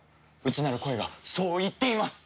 内なる声がそう言っています。